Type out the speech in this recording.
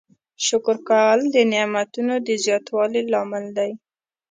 شکر کول د نعمتونو د زیاتوالي لامل دی.